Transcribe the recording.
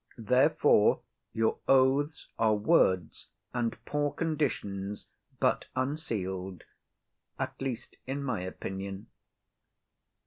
Therefore your oaths Are words and poor conditions; but unseal'd,— At least in my opinion.